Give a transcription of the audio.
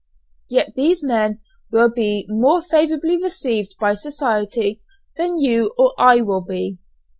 Yet these men will be more favourably received by society than you or I will be.